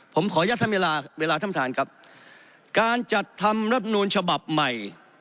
ผมขออนุญาตท่านเวลาเวลาท่านท่านครับการจัดทำรับนูลฉบับใหม่